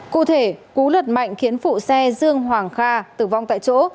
cụ thể cú lượt mạnh khiến phụ xe dương hoàng kha tử vong tại chỗ